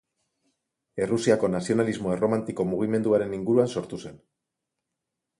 Errusiako nazionalismo erromantiko mugimenduaren inguruan sortu zen.